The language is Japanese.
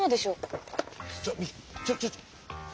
ちょミちょちょ！